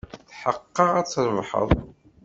Tḥeqqeɣ ad trebḥed.